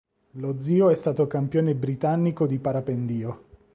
Lo zio è stato campione britannico di parapendio.